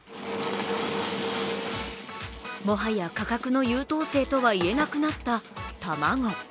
もはや価格の優等生とは言えなくなった卵。